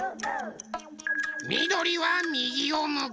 みどりはみぎをむく。